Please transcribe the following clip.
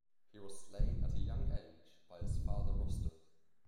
He was slain at a young age by his father Rostam.